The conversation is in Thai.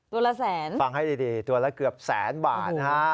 ตัวละแสนฟังให้ดีตัวละเกือบแสนบาทนะฮะ